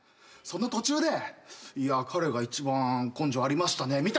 その途中で「いや彼が一番根性ありましたね」